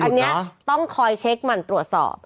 ป้ายหลุดเนอะอันนี้ต้องคอยเช็คมันตรวจสอบ